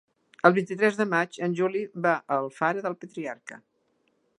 El vint-i-tres de maig en Juli va a Alfara del Patriarca.